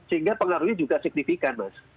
sehingga pengaruhnya juga signifikan mas